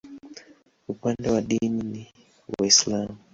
Upande wa dini ni Waislamu.